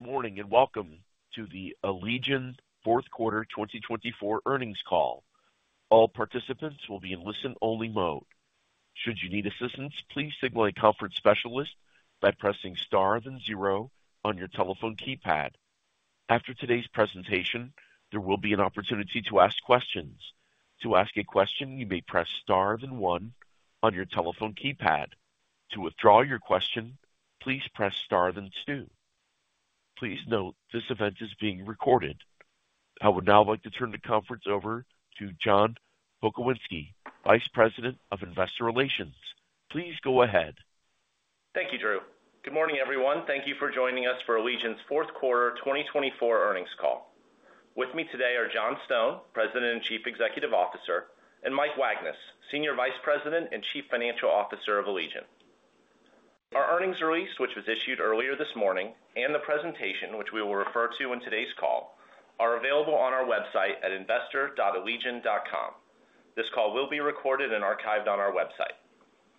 Morning and welcome to the Allegion 4th Quarter 2024 Earnings Call. All participants will be in listen-only mode. Should you need assistance, please signal a conference specialist by pressing star then zero on your telephone keypad. After today's presentation, there will be an opportunity to ask questions. To ask a question, you may press star then one on your telephone keypad. To withdraw your question, please press star then two. Please note this event is being recorded. I would now like to turn the conference over to Josh Pokrzywinski, Vice President of Investor Relations. Please go ahead. Thank you, Drew. Good morning, everyone. Thank you for joining us for Allegion's Fourth Quarter 2024 earnings call. With me today are John Stone, President and Chief Executive Officer, and Mike Wagnes, Senior Vice President and Chief Financial Officer of Allegion. Our earnings release, which was issued earlier this morning, and the presentation, which we will refer to in today's call, are available on our website at investor.allegion.com. This call will be recorded and archived on our website.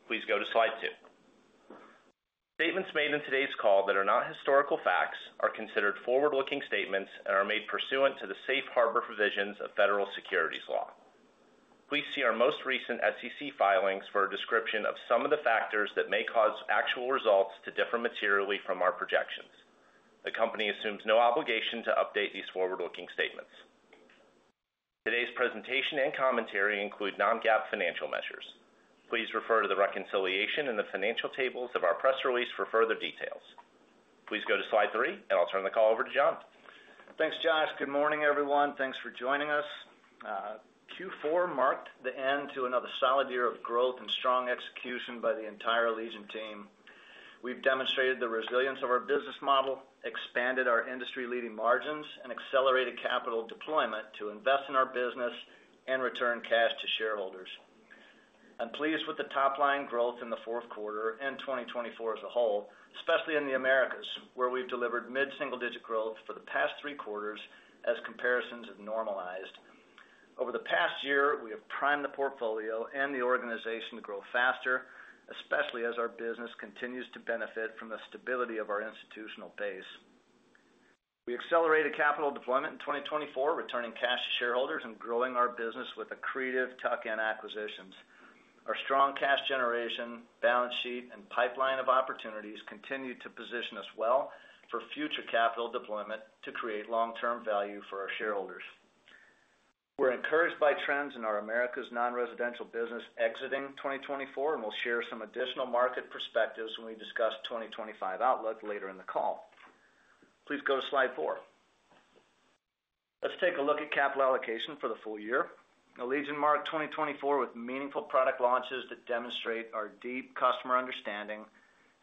Please go to slide 2. Statements made in today's call that are not historical facts are considered forward-looking statements and are made pursuant to the safe harbor provisions of federal securities law. Please see our most recent SEC filings for a description of some of the factors that may cause actual results to differ materially from our projections. The company assumes no obligation to update these forward-looking statements. Today's presentation and commentary include non-GAAP financial measures. Please refer to the reconciliation and the financial tables of our press release for further details. Please go to slide 3, and I'll turn the call over to John. Thanks, Josh. Good morning, everyone. Thanks for joining us. Q4 marked the end to another solid year of growth and strong execution by the entire Allegion team. We've demonstrated the resilience of our business model, expanded our industry-leading margins, and accelerated capital deployment to invest in our business and return cash to shareholders. I'm pleased with the top-line growth in the 4th quarter and 2024 as a whole, especially in the Americas, where we've delivered mid-single-digit growth for the past three quarters as comparisons have normalized. Over the past year, we have primed the portfolio and the organization to grow faster, especially as our business continues to benefit from the stability of our institutional base. We accelerated capital deployment in 2024, returning cash to shareholders and growing our business with accretive tuck-in acquisitions. Our strong cash generation, balance sheet, and pipeline of opportunities continue to position us well for future capital deployment to create long-term value for our shareholders. We're encouraged by trends in our Americas non-residential business exiting 2024, and we'll share some additional market perspectives when we discuss 2025 outlook later in the call. Please go to slide 4. Let's take a look at capital allocation for the full year. Allegion marked 2024 with meaningful product launches that demonstrate our deep customer understanding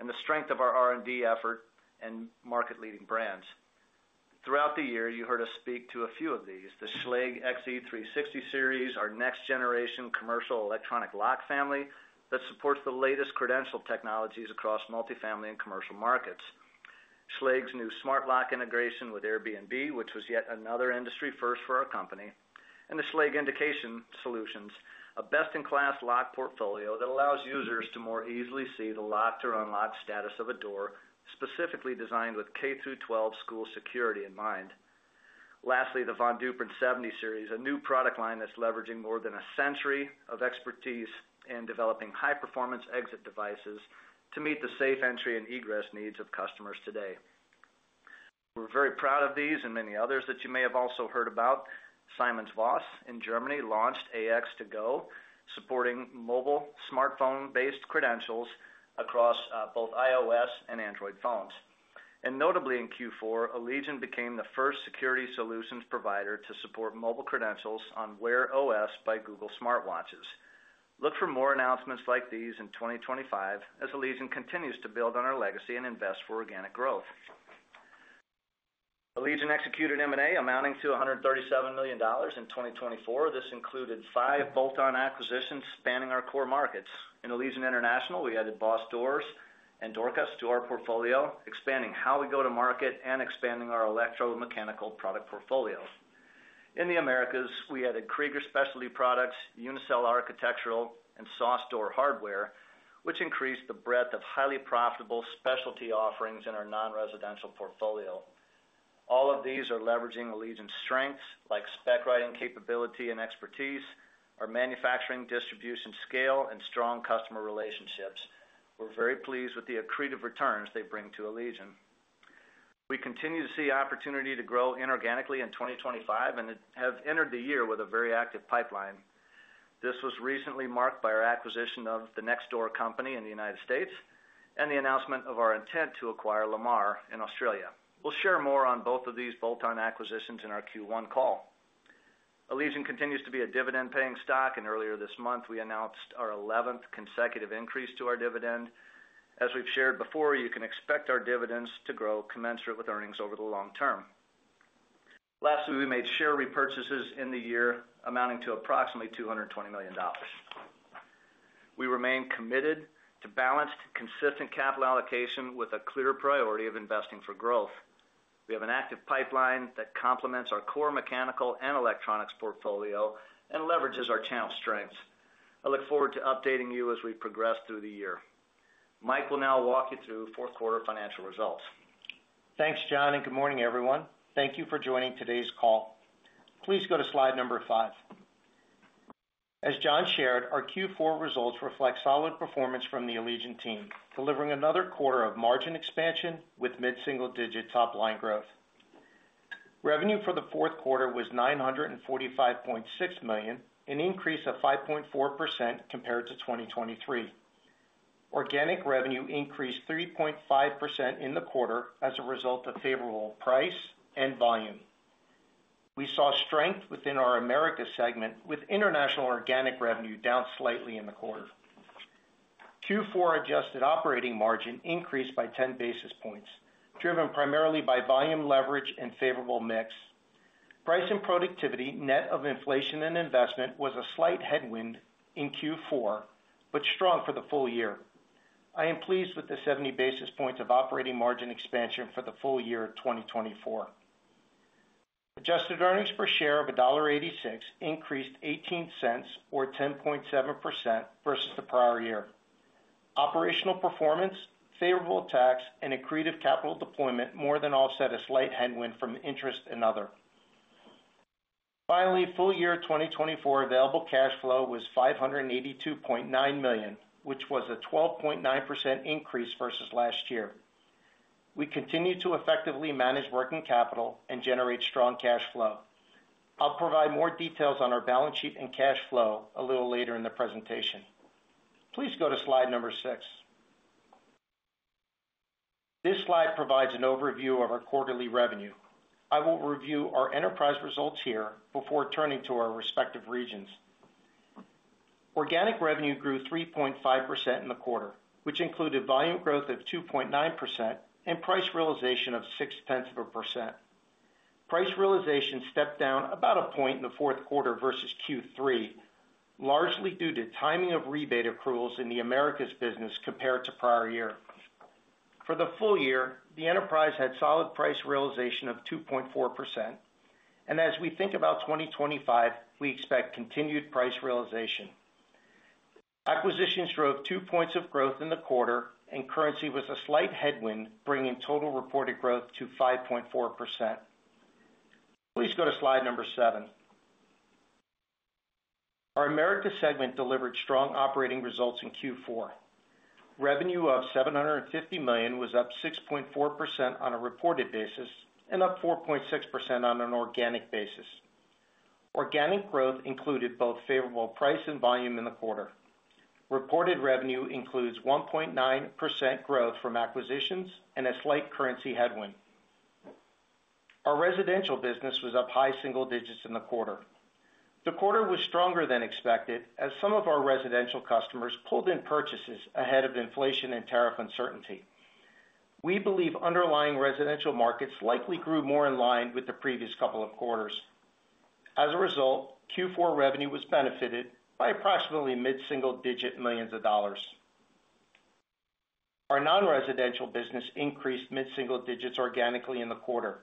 and the strength of our R&D effort and market-leading brands. Throughout the year, you heard us speak to a few of these: the Schlage XE360 Series, our next-generation commercial electronic lock family that supports the latest credential technologies across multifamily and commercial markets, Schlage's new smart lock integration with Airbnb, which was yet another industry first for our company, and the Schlage Indication Solutions, a best-in-class lock portfolio that allows users to more easily see the locked or unlocked status of a door, specifically designed with K through 12 school security in mind. Lastly, the Von Duprin 70 Series, a new product line that's leveraging more than a century of expertise and developing high-performance exit devices to meet the safe entry and egress needs of customers today. We're very proud of these and many others that you may have also heard about. SimonsVoss in Germany launched AX2GO, supporting mobile smartphone-based credentials across both iOS and Android phones. Notably, in Q4, Allegion became the first security solutions provider to support mobile credentials on Wear OS by Google smartwatches. Look for more announcements like these in 2025 as Allegion continues to build on our legacy and invest for organic growth. Allegion executed M&A amounting to $137 million in 2024. This included five bolt-on acquisitions spanning our core markets. In Allegion International, we added Boss Door Controls and Dorcas to our portfolio, expanding how we go to market and expanding our electromechanical product portfolio. In the Americas, we added Krieger Specialty Products, Unicel Architectural, and SOSS Door Hardware, which increased the breadth of highly profitable specialty offerings in our non-residential portfolio. All of these are leveraging Allegion's strengths like spec writing capability and expertise, our manufacturing distribution scale, and strong customer relationships. We're very pleased with the accretive returns they bring to Allegion. We continue to see opportunity to grow inorganically in 2025 and have entered the year with a very active pipeline. This was recently marked by our acquisition of The Next Door Company in the United States and the announcement of our intent to acquire Lemaar in Australia. We'll share more on both of these bolt-on acquisitions in our Q1 call. Allegion continues to be a dividend-paying stock, and earlier this month, we announced our 11th consecutive increase to our dividend. As we've shared before, you can expect our dividends to grow commensurate with earnings over the long term. Lastly, we made share repurchases in the year amounting to approximately $220 million. We remain committed to balanced, consistent capital allocation with a clear priority of investing for growth. We have an active pipeline that complements our core mechanical and electronics portfolio and leverages our channel strengths. I look forward to updating you as we progress through the year. Mike will now walk you through 4th quarter financial results. Thanks, John, and good morning, everyone. Thank you for joining today's call. Please go to slide 5 five. As John shared, our Q4 results reflect solid performance from the Allegion team, delivering another quarter of margin expansion with mid-single-digit top-line growth. Revenue for the 4th quarter was $945.6 million, an increase of 5.4% compared to 2023. Organic revenue increased 3.5% in the quarter as a result of favorable price and volume. We saw strength within our Americas segment, with international organic revenue down slightly in the quarter. Q4 adjusted operating margin increased by 10 basis points, driven primarily by volume leverage and favorable mix. Price and productivity, net of inflation and investment, was a slight headwind in Q4 but strong for the full year. I am pleased with the 70 basis points of operating margin expansion for the full year of 2024. Adjusted earnings per share of $1.86 increased $0.18, or 10.7%, versus the prior year. Operational performance, favorable tax, and accretive capital deployment more than offset a slight headwind from interest and other. Finally, full year 2024 available cash flow was $582.9 million, which was a 12.9% increase versus last year. We continue to effectively manage working capital and generate strong cash flow. I'll provide more details on our balance sheet and cash flow a little later in the presentation. Please go to slide 6. This slide provides an overview of our quarterly revenue. I will review our enterprise results here before turning to our respective regions. Organic revenue grew 3.5% in the quarter, which included volume growth of 2.9% and price realization of 0.6%. Price realization stepped down about a point in the 4th quarter versus Q3, largely due to timing of rebate accruals in the Americas business compared to prior year. For the full year, the enterprise had solid price realization of 2.4%, and as we think about 2025, we expect continued price realization. Acquisitions drove two points of growth in the quarter, and currency was a slight headwind, bringing total reported growth to 5.4%. Please go to slide 7. Our Americas segment delivered strong operating results in Q4. Revenue of $750 million was up 6.4% on a reported basis and up 4.6% on an organic basis. Organic growth included both favorable price and volume in the quarter. Reported revenue includes 1.9% growth from acquisitions and a slight currency headwind. Our residential business was up high single digits in the quarter. The quarter was stronger than expected as some of our residential customers pulled in purchases ahead of inflation and tariff uncertainty. We believe underlying residential markets likely grew more in line with the previous couple of quarters. As a result, Q4 revenue was benefited by approximately mid-single-digit millions of dollars. Our non-residential business increased mid-single digits organically in the quarter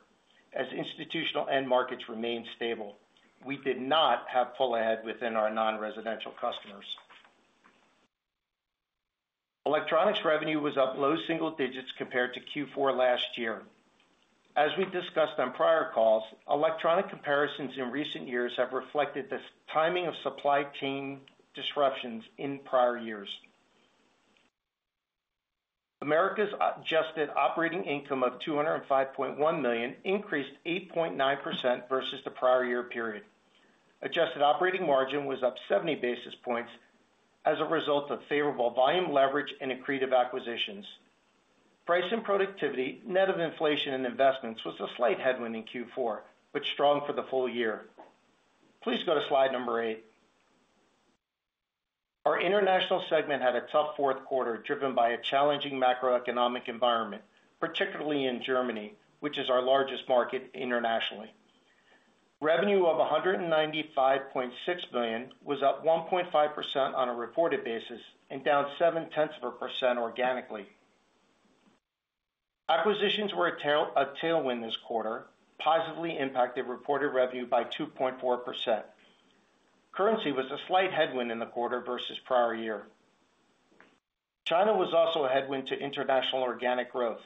as institutional end markets remained stable. We did not have pull ahead within our non-residential customers. Electronics revenue was up low single digits compared to Q4 last year. As we discussed on prior calls, electronic comparisons in recent years have reflected the timing of supply chain disruptions in prior years. Americas adjusted operating income of $205.1 million increased 8.9% versus the prior year period. Adjusted operating margin was up 70 basis points as a result of favorable volume leverage and accretive acquisitions. Price and productivity, net of inflation and investments, was a slight headwind in Q4, but strong for the full year. Please go to slide 8. Our international segment had a tough 4th quarter driven by a challenging macroeconomic environment, particularly in Germany, which is our largest market internationally. Revenue of $195.6 million was up 1.5% on a reported basis and down 0.7% organically. Acquisitions were a tailwind this quarter, positively impacted reported revenue by 2.4%. Currency was a slight headwind in the quarter versus prior year. China was also a headwind to international organic growth.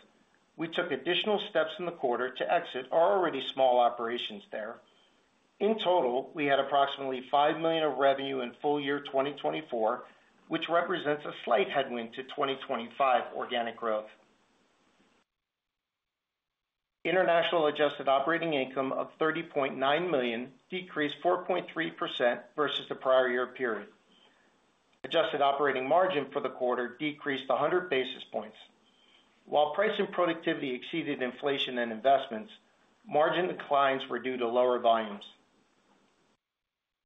We took additional steps in the quarter to exit our already small operations there. In total, we had approximately $5 million of revenue in full year 2024, which represents a slight headwind to 2025 organic growth. International adjusted operating income of $30.9 million decreased 4.3% versus the prior year period. Adjusted operating margin for the quarter decreased 100 basis points. While price and productivity exceeded inflation and investments, margin declines were due to lower volumes.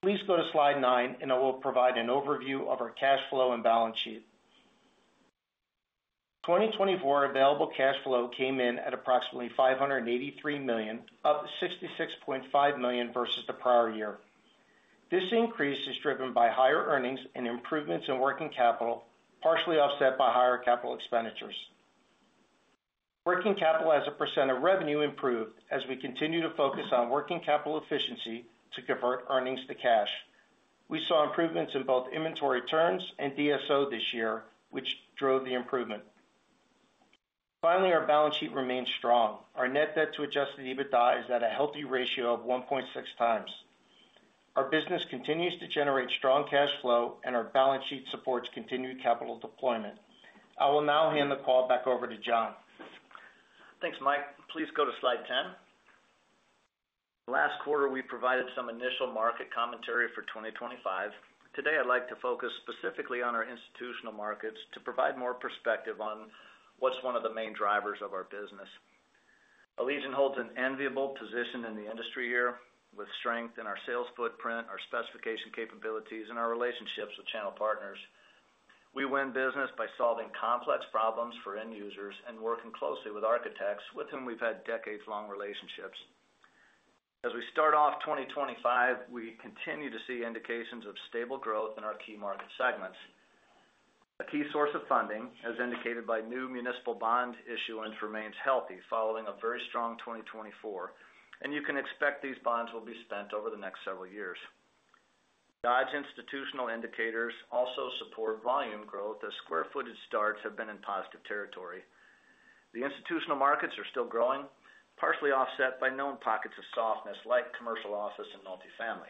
Please go to slide 9, and I will provide an overview of our cash flow and balance sheet. 2024 available cash flow came in at approximately $583 million, up $66.5 million versus the prior year. This increase is driven by higher earnings and improvements in working capital, partially offset by higher capital expenditures. Working capital as a percent of revenue improved as we continue to focus on working capital efficiency to convert earnings to cash. We saw improvements in both inventory turns and DSO this year, which drove the improvement. Finally, our balance sheet remains strong. Our net debt to adjusted EBITDA is at a healthy ratio of 1.6x. Our business continues to generate strong cash flow, and our balance sheet supports continued capital deployment. I will now hand the call back over to John. Thanks, Mike. Please go to slide 10. Last quarter, we provided some initial market commentary for 2025. Today, I'd like to focus specifically on our institutional markets to provide more perspective on what's one of the main drivers of our business. Allegion holds an enviable position in the industry here with strength in our sales footprint, our specification capabilities, and our relationships with channel partners. We win business by solving complex problems for end users and working closely with architects with whom we've had decades-long relationships. As we start off 2025, we continue to see indications of stable growth in our key market segments. A key source of funding, as indicated by new municipal bond issuance, remains healthy following a very strong 2024, and you can expect these bonds will be spent over the next several years. Dodge institutional indicators also support volume growth as square footage starts have been in positive territory. The institutional markets are still growing, partially offset by known pockets of softness like commercial office and multifamily.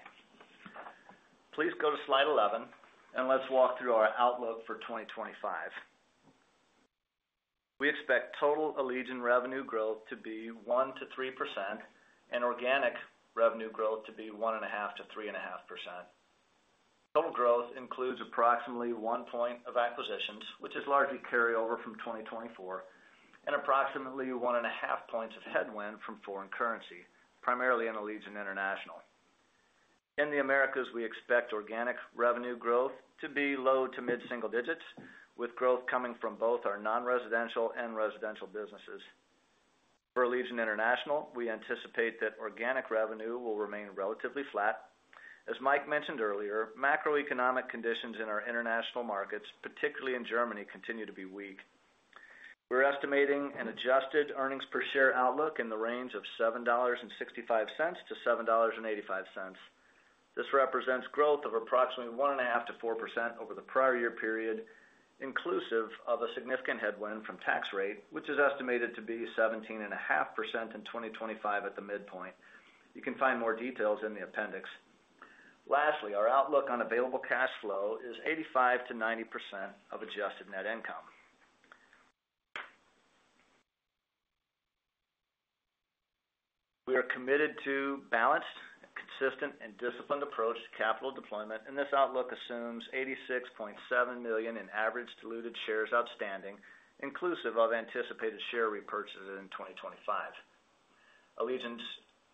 Please go to slide 11, and let's walk through our outlook for 2025. We expect total Allegion revenue growth to be 1%-3% and organic revenue growth to be 1.5%-3.5%. Total growth includes approximately one point of acquisitions, which is largely carryover from 2024, and approximately one and a half points of headwind from foreign currency, primarily in Allegion International. In the Americas, we expect organic revenue growth to be low to mid-single digits, with growth coming from both our non-residential and residential businesses. For Allegion International, we anticipate that organic revenue will remain relatively flat. As Mike mentioned earlier, macroeconomic conditions in our international markets, particularly in Germany, continue to be weak. We're estimating an adjusted earnings per share outlook in the range of $7.65-$7.85. This represents growth of approximately 1.5%-4% over the prior year period, inclusive of a significant headwind from tax rate, which is estimated to be 17.5% in 2025 at the midpoint. You can find more details in the appendix. Lastly, our outlook on available cash flow is 85%-90% of adjusted net income. We are committed to a balanced, consistent, and disciplined approach to capital deployment, and this outlook assumes 86.7 million in average diluted shares outstanding, inclusive of anticipated share repurchases in 2025. Allegion's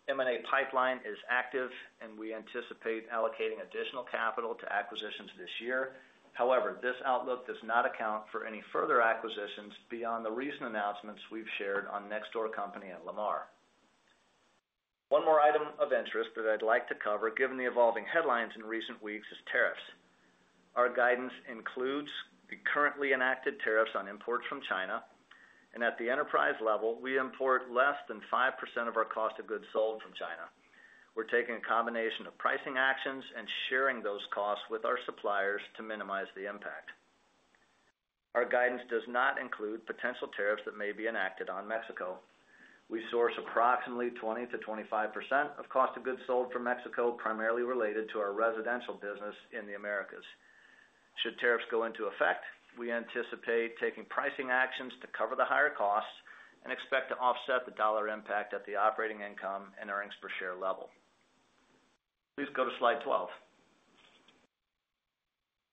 M&A pipeline is active, and we anticipate allocating additional capital to acquisitions this year. However, this outlook does not account for any further acquisitions beyond the recent announcements we've shared on The Next Door Company and Lemaar. One more item of interest that I'd like to cover, given the evolving headlines in recent weeks, is tariffs. Our guidance includes the currently enacted tariffs on imports from China, and at the enterprise level, we import less than 5% of our cost of goods sold from China. We're taking a combination of pricing actions and sharing those costs with our suppliers to minimize the impact. Our guidance does not include potential tariffs that may be enacted on Mexico. We source approximately 20%-25% of cost of goods sold from Mexico, primarily related to our residential business in the Americas. Should tariffs go into effect, we anticipate taking pricing actions to cover the higher costs and expect to offset the dollar impact at the operating income and earnings per share level. Please go to slide 12.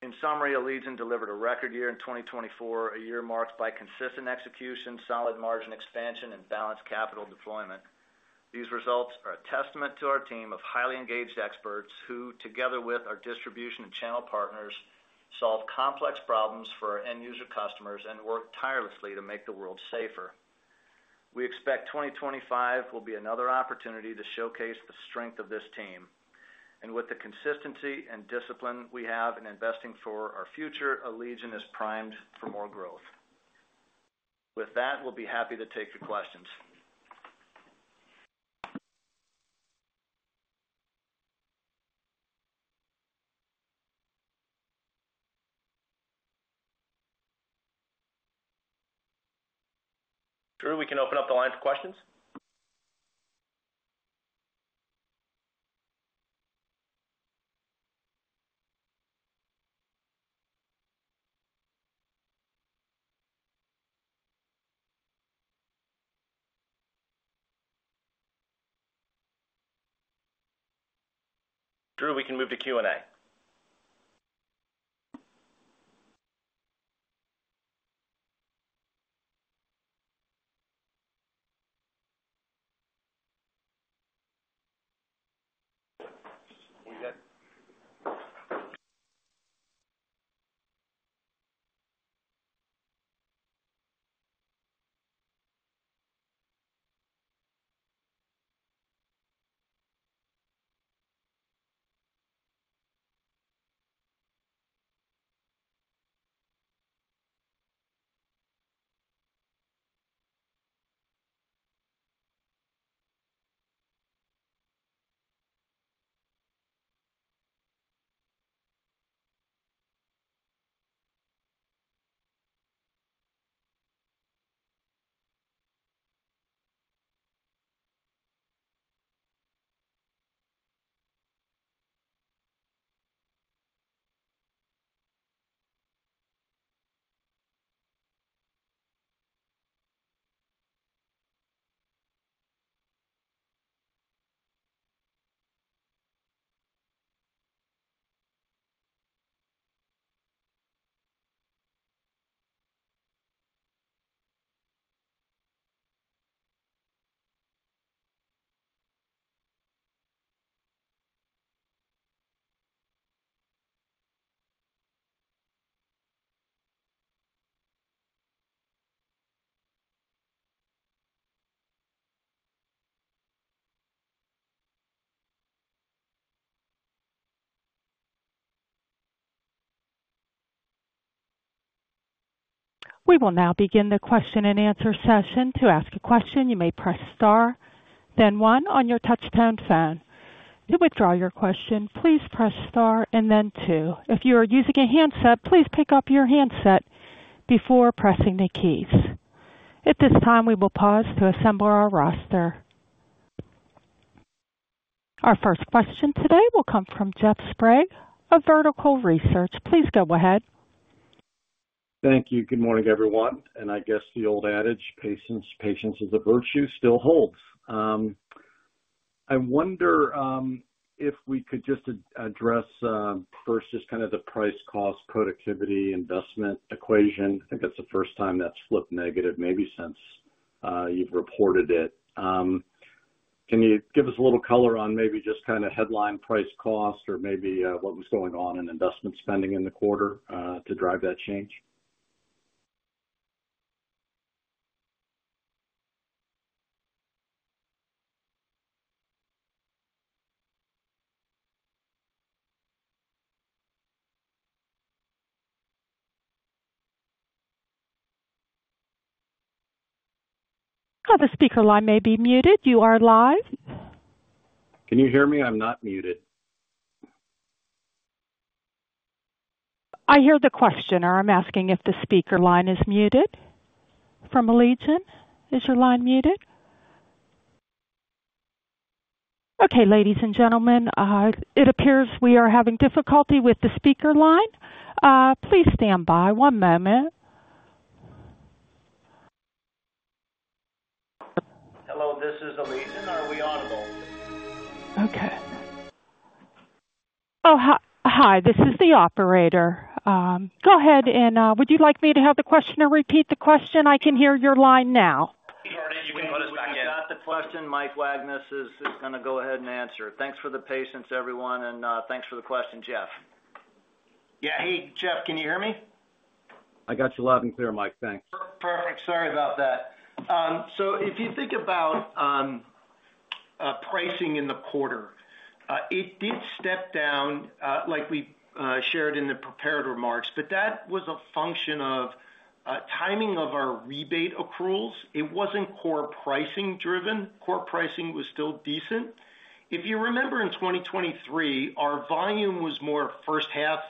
In summary, Allegion delivered a record year in 2024, a year marked by consistent execution, solid margin expansion, and balanced capital deployment. These results are a testament to our team of highly engaged experts who, together with our distribution and channel partners, solve complex problems for our end user customers and work tirelessly to make the world safer. We expect 2025 will be another opportunity to showcase the strength of this team. And with the consistency and discipline we have in investing for our future, Allegion is primed for more growth. With that, we'll be happy to take your questions. Drew, we can open up the line for questions. Drew, we can move to Q&A. We will now begin the question and answer session. To ask a question, you may press star, then one on your touch-tone phone. To withdraw your question, please press star and then two. If you are using a handset, please pick up your handset before pressing the keys. At this time, we will pause to assemble our roster. Our first question today will come from Jeff Sprague of Vertical Research. Please go ahead. Thank you. Good morning, everyone, and I guess the old adage, patience is a virtue, still holds. I wonder if we could just address first just kind of the price, cost, productivity, investment equation. I think that's the first time that's flipped negative, maybe since you've reported it. Can you give us a little color on maybe just kind of headline price cost or maybe what was going on in investment spending in the quarter to drive that change? The speaker line may be muted. You are live? Can you hear me? I'm not muted. I hear the question, or I'm asking if the speaker line is muted from Allegion. Is your line muted? Okay, ladies and gentlemen, it appears we are having difficulty with the speaker line. Please stand by one moment. Hello, this is Allegion. Are we audible? Okay. Oh, hi. This is the operator. Go ahead, and would you like me to have the questioner repeat the question? I can hear your line now. Heard it. You can put us back in. If you've got the question, Mike Wagnes is going to go ahead and answer. Thanks for the patience, everyone, and thanks for the question, Jeff. Yeah. Hey, Jeff, can you hear me? I got you loud and clear, Mike. Thanks. Perfect. Sorry about that. So if you think about pricing in the quarter, it did step down, like we shared in the prepared remarks, but that was a function of timing of our rebate accruals. It wasn't core pricing driven. Core pricing was still decent. If you remember, in 2023, our volume was more 1st-half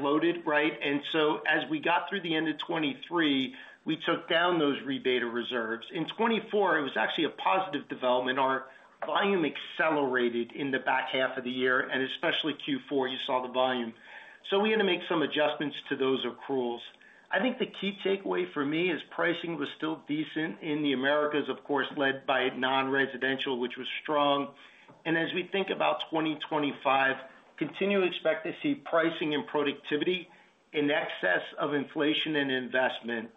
loaded, right? And so as we got through the end of 2023, we took down those rebate reserves. In 2024, it was actually a positive development. Our volume accelerated in the back half of the year, and especially Q4, you saw the volume. So we had to make some adjustments to those accruals. I think the key takeaway for me is pricing was still decent in the Americas, of course, led by non-residential, which was strong. And as we think about 2025, continue to expect to see pricing and productivity in excess of inflation and investment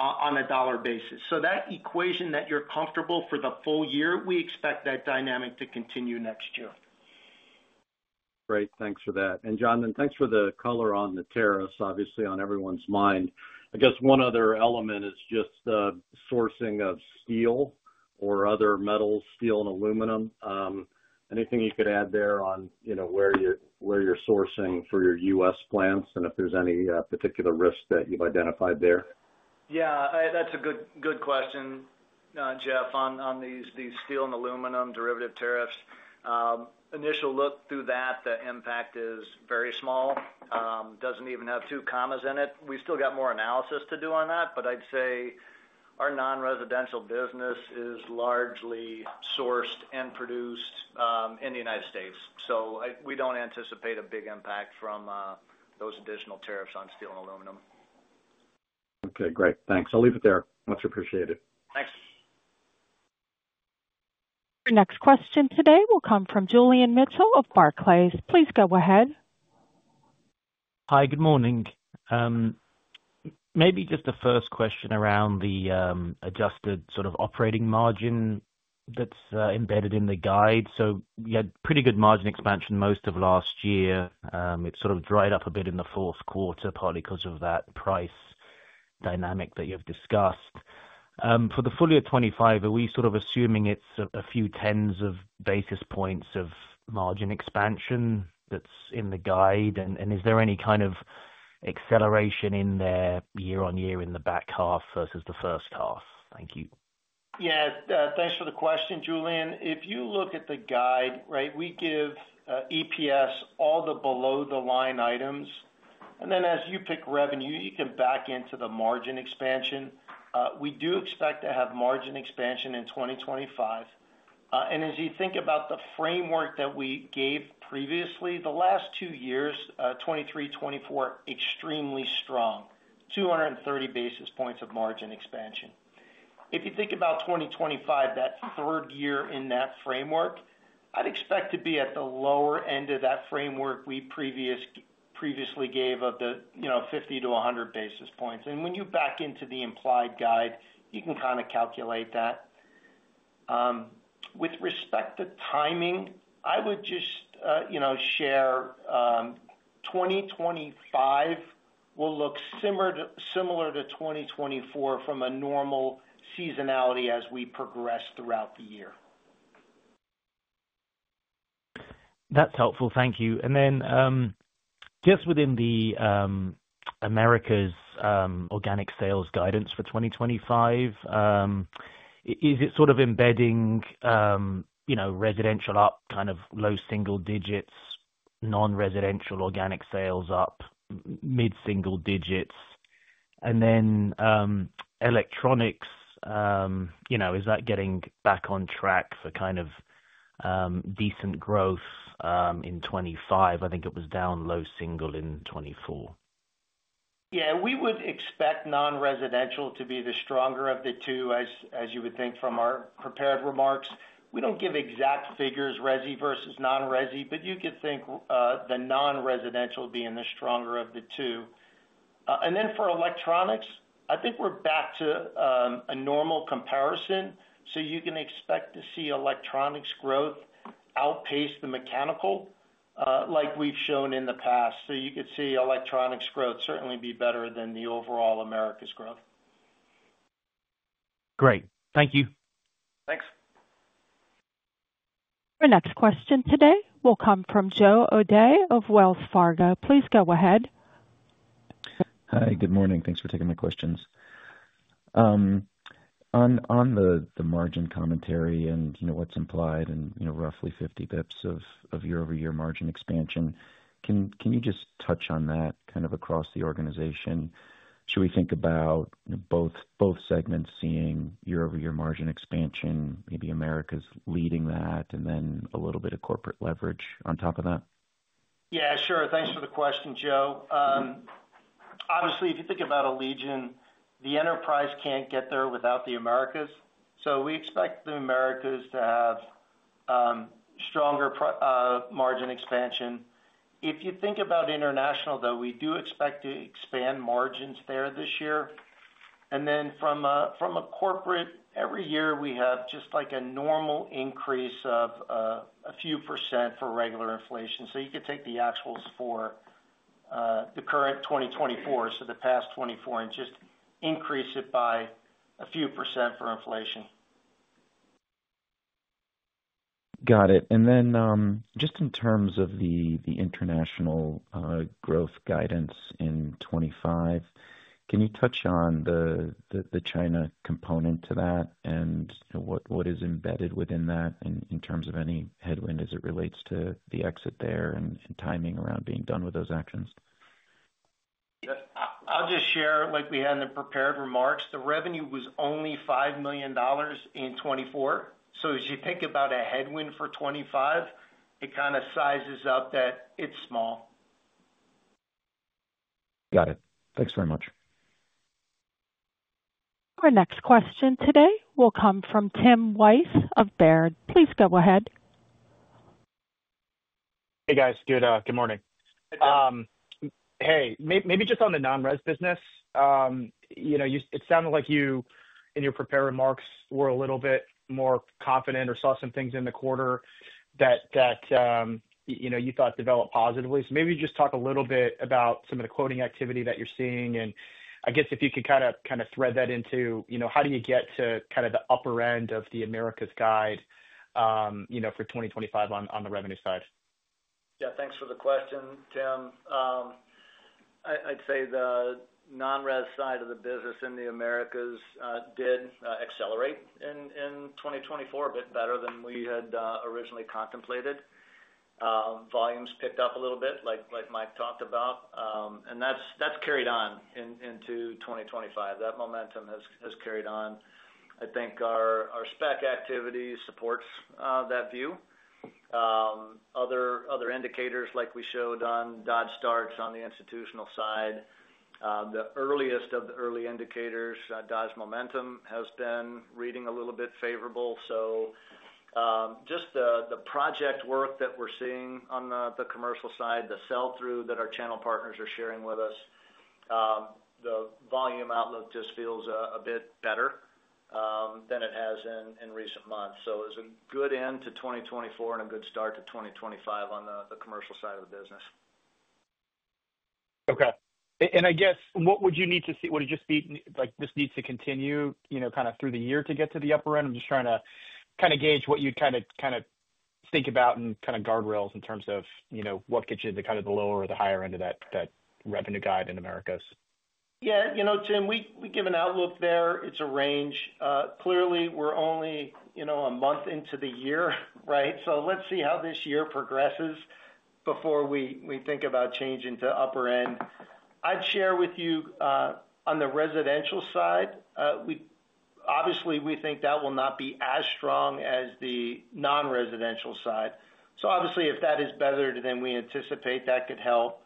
on a dollar basis. So that equation that you're comfortable for the full year, we expect that dynamic to continue next year. Great. Thanks for that, and John, then thanks for the color on the tariffs, obviously, on everyone's mind. I guess one other element is just sourcing of steel or other metals, steel and aluminum. Anything you could add there on where you're sourcing for your U.S. plants and if there's any particular risks that you've identified there? Yeah, that's a good question, Jeff, on these steel and aluminum derivative tariffs. Initial look through that, the impact is very small. Doesn't even have two commas in it. We still got more analysis to do on that, but I'd say our non-residential business is largely sourced and produced in the United States. So we don't anticipate a big impact from those additional tariffs on steel and aluminum. Okay. Great. Thanks. I'll leave it there. Much appreciated. Thanks. Our next question today will come from Julian Mitchell of Barclays. Please go ahead. Hi, good morning. Maybe just the first question around the adjusted sort of operating margin that's embedded in the guide. So you had pretty good margin expansion most of last year. It sort of dried up a bit in the 4th quarter, partly because of that price dynamic that you've discussed. For the full year 2025, are we sort of assuming it's a few tens of basis points of margin expansion that's in the guide? And is there any kind of acceleration in there year on year in the back half versus the 1st half? Thank you. Yeah. Thanks for the question, Julian. If you look at the guide, right, we give EPS all the below-the-line items. And then as you pick revenue, you can back into the margin expansion. We do expect to have margin expansion in 2025. And as you think about the framework that we gave previously, the last two years, 2023, 2024, extremely strong, 230 basis points of margin expansion. If you think about 2025, that third year in that framework, I'd expect to be at the lower end of that framework we previously gave of the 50 to 100 basis points. And when you back into the implied guide, you can kind of calculate that. With respect to timing, I would just share 2025 will look similar to 2024 from a normal seasonality as we progress throughout the year. That's helpful. Thank you. And then just within the Americas organic sales guidance for 2025, is it sort of embedding residential up, kind of low single digits, non-residential organic sales up, mid-single digits? And then electronics, is that getting back on track for kind of decent growth in 2025? I think it was down low single in 2024. Yeah. We would expect non-residential to be the stronger of the two, as you would think from our prepared remarks. We don't give exact figures, resi versus non-resi, but you could think the non-residential being the stronger of the two. And then for electronics, I think we're back to a normal comparison. So you can expect to see electronics growth outpace the mechanical like we've shown in the past. So you could see electronics growth certainly be better than the overall Americas growth. Great. Thank you. Thanks. Our next question today will come from Joe O'Dea of Wells Fargo. Please go ahead. Hi, good morning. Thanks for taking my questions. On the margin commentary and what's implied and roughly 50 basis points of year-over-year margin expansion, can you just touch on that kind of across the organization? Should we think about both segments seeing year-over-year margin expansion, maybe Americas leading that, and then a little bit of corporate leverage on top of that? Yeah, sure. Thanks for the question, Joe. Obviously, if you think about Allegion, the enterprise can't get there without the Americas. So we expect the Americas to have stronger margin expansion. If you think about international, though, we do expect to expand margins there this year. And then from a corporate, every year we have just like a normal increase of a few percent for regular inflation. So you could take the actuals for the current 2024, so the past 2024, and just increase it by a few percent for inflation. Got it. And then just in terms of the international growth guidance in 2025, can you touch on the China component to that and what is embedded within that in terms of any headwind as it relates to the exit there and timing around being done with those actions? I'll just share like we had in the prepared remarks. The revenue was only $5 million in 2024. So as you think about a headwind for 2025, it kind of sizes up that it's small. Got it. Thanks very much. Our next question today will come from Tim Wojs of Baird. Please go ahead. Hey, guys. Good morning. Hey, maybe just on the non-res business, it sounded like you in your prepared remarks were a little bit more confident or saw some things in the quarter that you thought developed positively. So maybe just talk a little bit about some of the quoting activity that you're seeing. And I guess if you could kind of thread that into, how do you get to kind of the upper end of the Americas guide for 2025 on the revenue side? Yeah, thanks for the question, Tim. I'd say the non-res side of the business in the Americas did accelerate in 2024 a bit better than we had originally contemplated. Volumes picked up a little bit, like Mike talked about, and that's carried on into 2025. That momentum has carried on. I think our spec activity supports that view. Other indicators like we showed on Dodge starts on the institutional side. The earliest of the early indicators, Dodge momentum has been reading a little bit favorable, so just the project work that we're seeing on the commercial side, the sell-through that our channel partners are sharing with us, the volume outlook just feels a bit better than it has in recent months. It's a good end to 2024 and a good start to 2025 on the commercial side of the business. Okay. And I guess what would you need to see? Would it just be like this needs to continue kind of through the year to get to the upper end? I'm just trying to kind of gauge what you'd kind of think about and kind of guardrails in terms of what gets you to kind of the lower or the higher end of that revenue guide in Americas. Yeah. Tim, we give an outlook there. It's a range. Clearly, we're only a month into the year, right? So let's see how this year progresses before we think about changing to upper end. I'd share with you on the residential side, obviously, we think that will not be as strong as the non-residential side. So obviously, if that is better than we anticipate, that could help.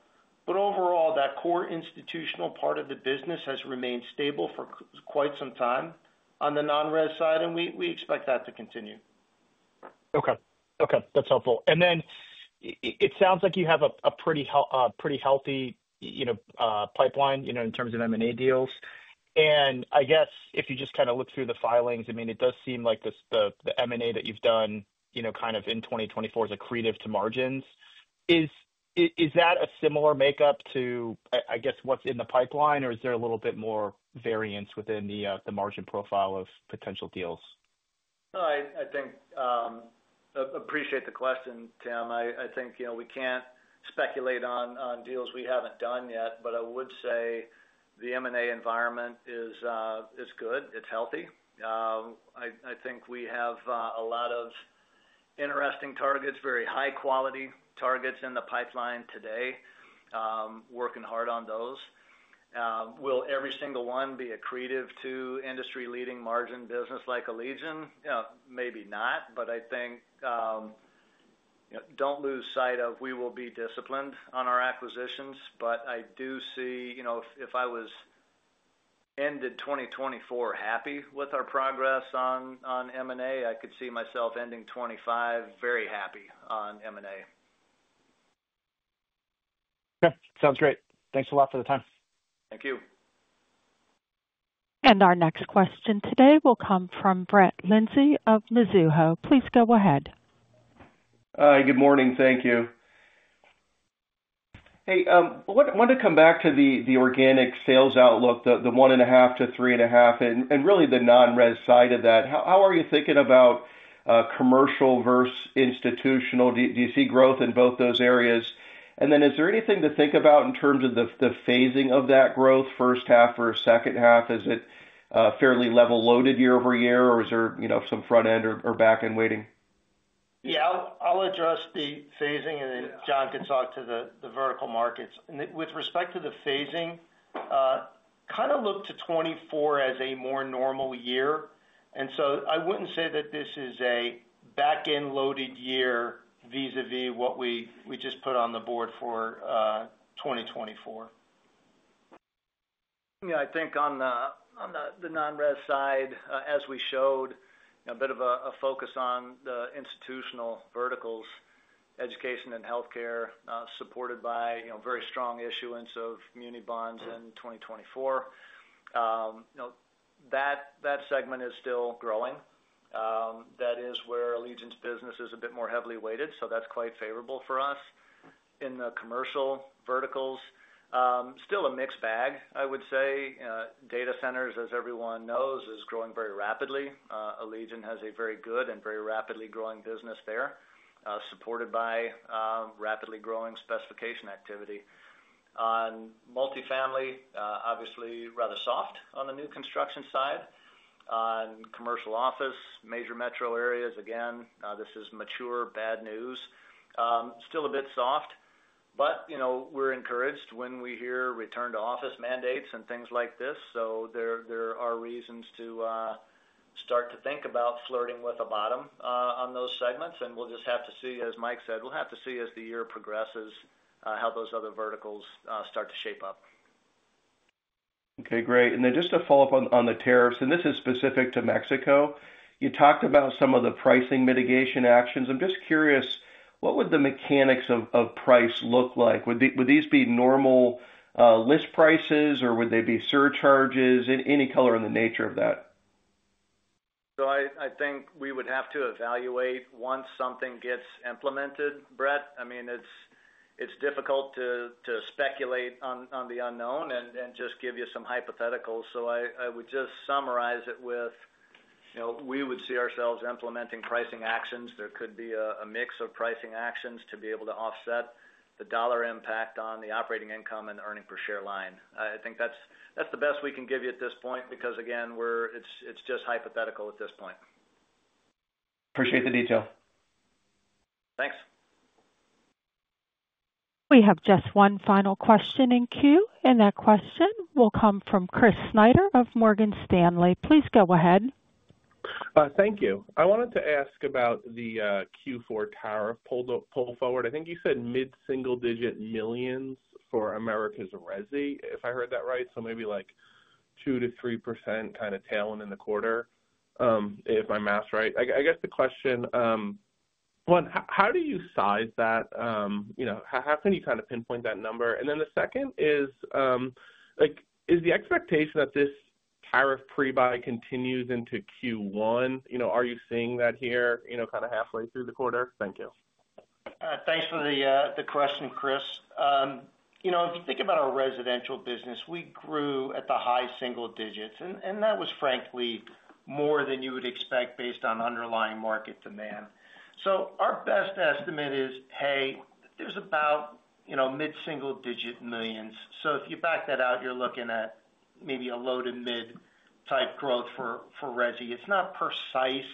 But overall, that core institutional part of the business has remained stable for quite some time on the non-res side, and we expect that to continue. Okay. Okay. That's helpful. And then it sounds like you have a pretty healthy pipeline in terms of M&A deals. And I guess if you just kind of look through the filings, I mean, it does seem like the M&A that you've done kind of in 2024 is accretive to margins. Is that a similar makeup to, I guess, what's in the pipeline, or is there a little bit more variance within the margin profile of potential deals? I appreciate the question, Tim. I think we can't speculate on deals we haven't done yet, but I would say the M&A environment is good. It's healthy. I think we have a lot of interesting targets, very high-quality targets in the pipeline today, working hard on those. Will every single one be accretive to industry-leading margin business like Allegion? Maybe not, but I think don't lose sight of we will be disciplined on our acquisitions. But I do see if I end 2024 happy with our progress on M&A, I could see myself ending 2025 very happy on M&A. Okay. Sounds great. Thanks a lot for the time. Thank you. Our next question today will come from Brett Linzey of Mizuho. Please go ahead. Hi, good morning. Thank you. Hey, I wanted to come back to the organic sales outlook, the 1.5%-3.5%, and really the non-res side of that. How are you thinking about commercial versus institutional? Do you see growth in both those areas? And then is there anything to think about in terms of the phasing of that growth, 1st half or 2nd half? Is it fairly level loaded year-over-year, or is there some front end or back end waiting? Yeah, I'll address the phasing, and then John can talk to the vertical markets. With respect to the phasing, kind of look to 2024 as a more normal year, and so I wouldn't say that this is a back-end loaded year vis-à-vis what we just put on the board for 2024. Yeah, I think on the non-res side, as we showed, a bit of a focus on the institutional verticals, education and healthcare, supported by very strong issuance of muni bonds in 2024. That segment is still growing. That is where Allegion's business is a bit more heavily weighted, so that's quite favorable for us in the commercial verticals. Still a mixed bag, I would say. Data centers, as everyone knows, is growing very rapidly. Allegion has a very good and very rapidly growing business there, supported by rapidly growing specification activity. On multifamily, obviously rather soft on the new construction side. On commercial office, major metro areas, again, this is more bad news. Still a bit soft, but we're encouraged when we hear return-to-office mandates and things like this. So there are reasons to start to think about flirting with a bottom on those segments. And we'll just have to see, as Mike said, we'll have to see as the year progresses how those other verticals start to shape up. Okay, great. And then just to follow up on the tariffs, and this is specific to Mexico, you talked about some of the pricing mitigation actions. I'm just curious, what would the mechanics of price look like? Would these be normal list prices, or would they be surcharges? Any color in the nature of that? So I think we would have to evaluate once something gets implemented, Brett. I mean, it's difficult to speculate on the unknown and just give you some hypotheticals. So I would just summarize it with we would see ourselves implementing pricing actions. There could be a mix of pricing actions to be able to offset the dollar impact on the operating income and the earnings per share line. I think that's the best we can give you at this point because, again, it's just hypothetical at this point. Appreciate the detail. Thanks. We have just one final question in queue, and that question will come from Chris Snyder of Morgan Stanley. Please go ahead. Thank you. I wanted to ask about the Q4 tariff pull forward. I think you said mid-single digit millions for Americas resi, if I heard that right. So maybe like 2%-3% kind of tailing in the quarter, if my math's right. I guess the question, one, how do you size that? How can you kind of pinpoint that number? And then the second is, is the expectation that this tariff prebuy continues into Q1? Are you seeing that here kind of halfway through the quarter? Thank you. Thanks for the question, Chris. If you think about our residential business, we grew at the high single digits, and that was frankly more than you would expect based on underlying market demand. So our best estimate is, hey, there's about mid-single digit millions. So if you back that out, you're looking at maybe a loaded mid-type growth for resi. It's not precise.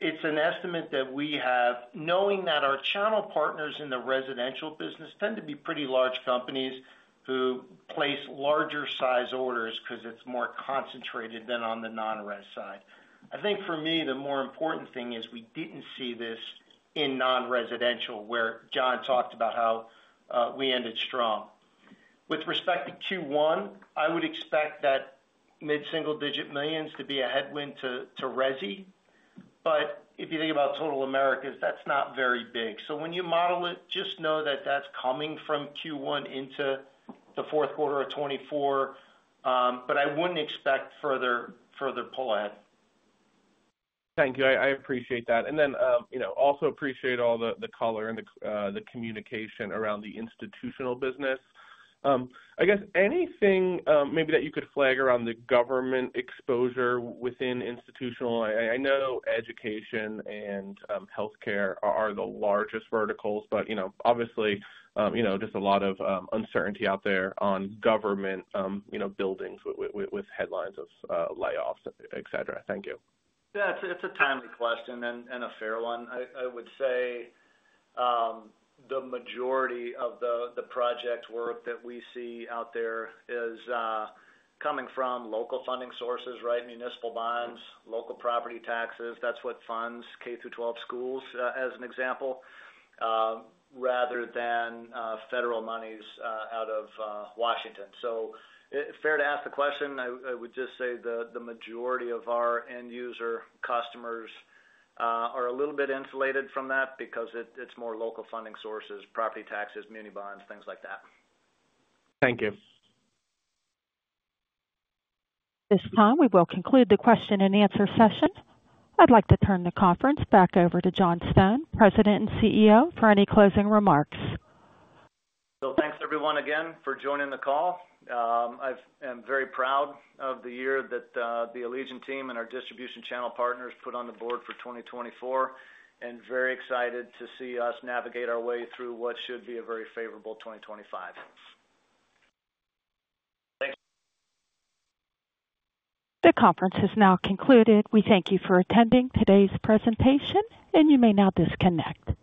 It's an estimate that we have, knowing that our channel partners in the residential business tend to be pretty large companies who place larger size orders because it's more concentrated than on the non-res side. I think for me, the more important thing is we didn't see this in non-residential where John talked about how we ended strong. With respect to Q1, I would expect that mid-single digit millions to be a headwind to resi. But if you think about total Americas, that's not very big. So when you model it, just know that that's coming from Q1 into the 4th quarter of 2024, but I wouldn't expect further pull ahead. Thank you. I appreciate that, and then also appreciate all the color and the communication around the institutional business. I guess anything maybe that you could flag around the government exposure within institutional? I know education and healthcare are the largest verticals, but obviously just a lot of uncertainty out there on government buildings with headlines of layoffs, etc. Thank you. Yeah, it's a timely question and a fair one. I would say the majority of the project work that we see out there is coming from local funding sources, right? Municipal bonds, local property taxes. That's what funds K-12 schools, as an example, rather than federal monies out of Washington. So fair to ask the question. I would just say the majority of our end user customers are a little bit insulated from that because it's more local funding sources, property taxes, muni bonds, things like that. Thank you. This time, we will conclude the question and answer session. I'd like to turn the conference back over to John Stone, President and CEO. For any closing remarks. So thanks, everyone, again, for joining the call. I am very proud of the year that the Allegion team and our distribution channel partners put on the board for 2024, and very excited to see us navigate our way through what should be a very favorable 2025. The conference has now concluded. We thank you for attending today's presentation, and you may now disconnect.